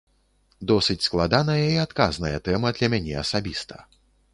Досыць складаная і адказная тэма для мяне асабіста.